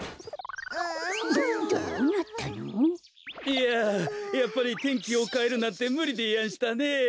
いややっぱり天気をかえるなんてむりでやんしたねえ。